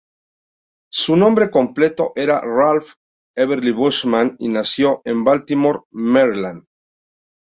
Su nombre completo era Ralph Everly Bushman, y nació en Baltimore, Maryland.